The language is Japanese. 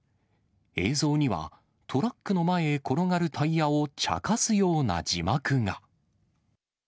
映像には、トラックの前へ転がるタイヤを茶化すような字幕が。